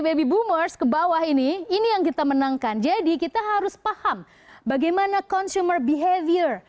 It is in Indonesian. baby boomers ke bawah ini ini yang kita menangkan jadi kita harus paham bagaimana consumer behavior